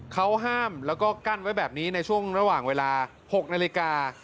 เขาห้ามแล้วก็กั้นไว้แบบนี้ในช่วงระหว่างเวลา๖นาฬิกา